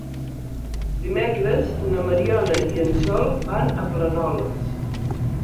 Dimecres na Mariona i en Sol van a Planoles.